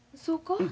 そうか。